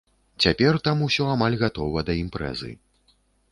Цяпер там усё амаль гатова да імпрэзы.